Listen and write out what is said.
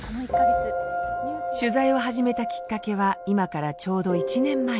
取材を始めたきっかけは今からちょうど１年前。